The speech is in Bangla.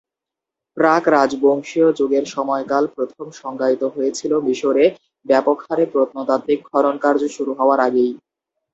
প্রাক-রাজবংশীয় যুগের সময়কাল প্রথম সংজ্ঞায়িত হয়েছিল মিশরে ব্যাপক হারে প্রত্নতাত্ত্বিক খননকার্য শুরু হওয়ার আগেই।